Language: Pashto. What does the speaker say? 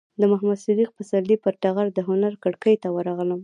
د محمد صدیق پسرلي پر ټغر د هنر کړکۍ ته ورغلم.